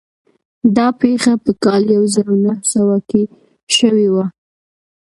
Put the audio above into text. دا پېښه په کال يو زر و نهه سوه کې شوې وه.